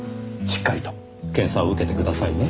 しっかりと検査を受けてくださいね。